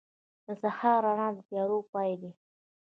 • د سهار رڼا د تیارو پای دی.